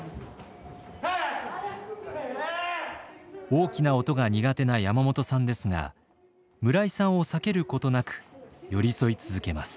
大きな音が苦手な山本さんですが村井さんを避けることなく寄り添い続けます。